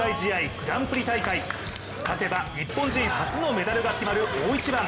グランプリ大会勝てば日本人初のメダルが決まる大一番。